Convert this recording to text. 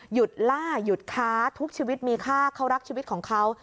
ล่าหยุดค้าทุกชีวิตมีค่าเขารักชีวิตของเขา